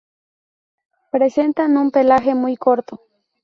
Presentan un pelaje muy corto.